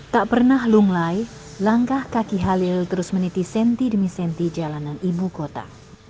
tak pernah lunglai langkah kaki halil terus meniti senti demi senti jalanan ibu kota